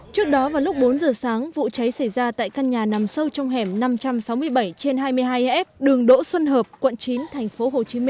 trước đó vào lúc bốn giờ sáng vụ cháy xảy ra tại căn nhà nằm sâu trong hẻm năm trăm sáu mươi bảy trên hai mươi hai f đường đỗ xuân hợp quận chín tp hcm